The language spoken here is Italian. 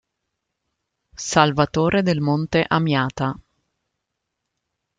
Salvatore del Monte Amiata.